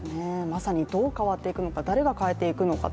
まさにどう変わっていくのか、誰が変えていくのか。